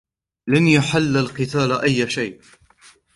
لن يحل القتال أي شيء.